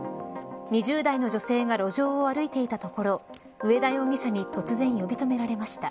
２０代の女性が路上を歩いていたところ上田容疑者に突然呼び止められました。